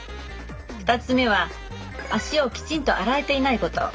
２つ目は足をきちんと洗えていないこと。